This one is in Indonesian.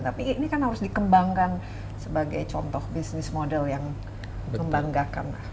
tapi ini kan harus dikembangkan sebagai contoh bisnis model yang membanggakan